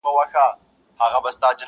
خبر سوم چي یو څرک یې لېونیو دی میندلی٫